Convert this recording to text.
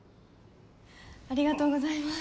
ありがとうございます。